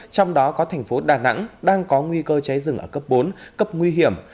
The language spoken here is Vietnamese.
trong đó có thành phố đà nẵng đang có nguy cơ cháy rừng ở cấp bốn cấp nguy hiểm